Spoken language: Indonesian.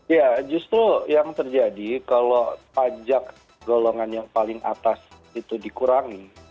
ya justru yang terjadi kalau pajak golongan yang paling atas itu dikurangi